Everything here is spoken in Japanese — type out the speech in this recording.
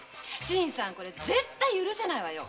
新さん絶対に許せないわよ。